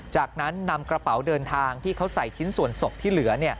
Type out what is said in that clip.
จากนั้นนำกระเป๋าเดินทางที่เขาใส่ชิ้นส่วนศพที่เหลือ